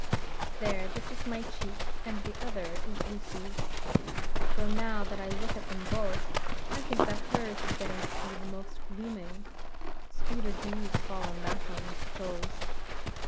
"There; this is my cheek, and the other is Lucy's; though now that I look at them both, I think that hers is getting to be the most blooming; sweeter dews fall on that one, I suppose."